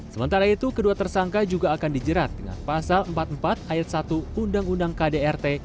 sementara itu kedua tersangka juga akan dijerat dengan pasal empat puluh empat ayat satu undang undang kdrt